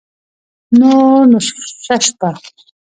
نور نو شه شپه